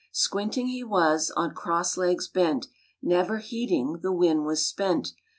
Squinting he was, On cross legs bent, Never heeding The wind was spent.